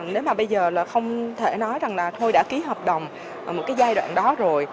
nếu mà bây giờ là không thể nói rằng là thôi đã ký hợp đồng ở một cái giai đoạn đó rồi